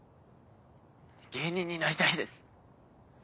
芸人になりたいです。